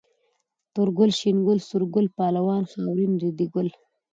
تور ګل، شين ګل، سور ګل، پهلوان، خاورين، ريدي ګل